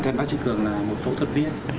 thêm bác trị cường là một phẫu thuật viên